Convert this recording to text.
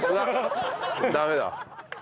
ダメだ。